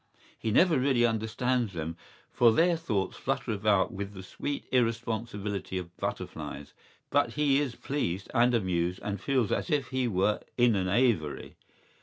¬Ý He never really understands them, for their thoughts flutter about with the sweet irresponsibility of butterflies; but he is pleased and amused and feels as if he were in an aviary.